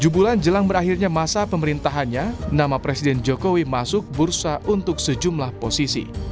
tujuh bulan jelang berakhirnya masa pemerintahannya nama presiden jokowi masuk bursa untuk sejumlah posisi